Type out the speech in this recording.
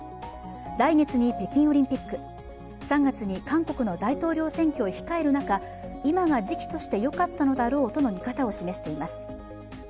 来月に北京オリンピック３月に韓国の大統領選挙を控える中今が時期としてよかったのだろうとの見方を示しています。